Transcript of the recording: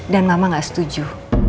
dan mama gak setuju